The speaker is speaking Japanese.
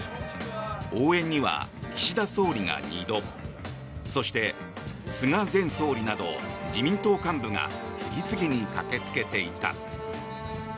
応援には岸田総理が２度そして、菅前総理など自民党幹部が次々に駆けつけていた。